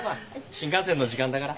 新幹線の時間だから。